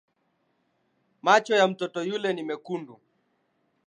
Macho ya mtoto yule ni mekundu.